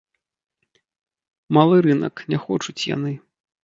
Малы рынак, не хочуць яны.